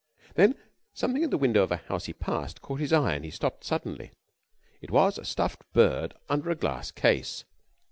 Then something in the window of a house he passed caught his eye and he stopped suddenly. It was a stuffed bird under a glass case.